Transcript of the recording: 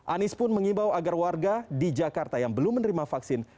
anies pun mengimbau agar warga di jakarta yang belum menerima vaksin